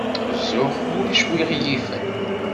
Zzux ulac wi ɣ-yifen.